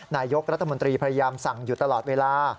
นายกรัฐมนตรีพยายามสั่งอยู่ตลอดเวลา